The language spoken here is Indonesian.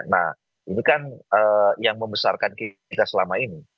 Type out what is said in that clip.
nah ini kan yang membesarkan kita selama ini